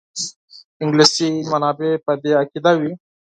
انګلیسي منابع په دې عقیده دي.